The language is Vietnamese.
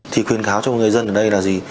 thì khuyên cáo cho người dân ở đây là gì